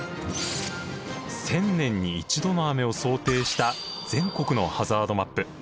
１０００年に１度の雨を想定した全国のハザードマップ。